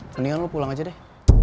mendingan lu pulang aja deh